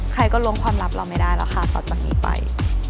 ใครก็ล้วงความลับเราไม่ได้แล้วค่ะต่อจากนี้ไป